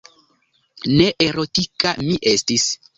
Ne erotika mi estis.